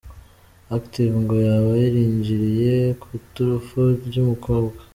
Active ngo yaba yarinjiriye ku iturufu y’umukobwa.